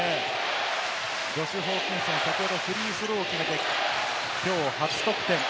ジョシュ・ホーキンソン、先ほどフリースロー決めて、きょう初得点。